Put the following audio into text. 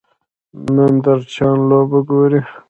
نندارچیان لوبه ګوري.